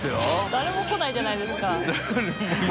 誰も来ないじゃないですか。